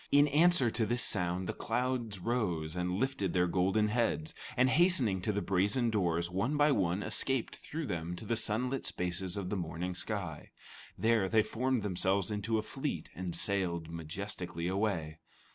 In answer to this sound, the clouds rose and lifted their golden heads, and hastening to the brazen doors, one by one escaped through them to the sunlit spaces of the morning sky. There, they formed themselves into a fleet, and sailed majestically away.